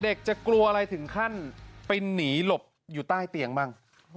จะกลัวอะไรถึงขั้นไปหนีหลบอยู่ใต้เตียงบ้าง